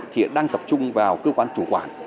thì đang tập trung vào cơ quan chủ quản